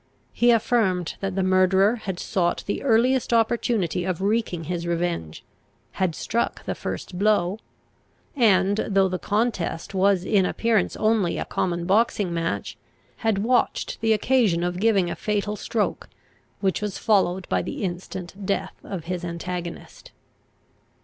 He affirmed that the murderer had sought the earliest opportunity of wreaking his revenge; had struck the first blow; and, though the contest was in appearance only a common boxing match, had watched the occasion of giving a fatal stroke, which was followed by the instant death of his antagonist.